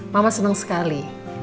mama senang sekali